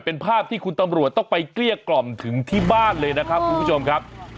เป็นภาพที่คุณตำรวจต้องไปเกลี้ยกล่อมถึงที่บ้านเลยนะครับคุณผู้ชมครับ